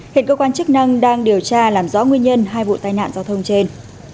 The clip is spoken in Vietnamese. hiện cơ quan chức năng đang điều tra làm rõ nguyên nhân hai vụ tai nạn giao thông trên